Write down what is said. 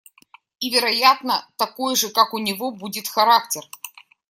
И, вероятно, такой же, как у него, будет характер.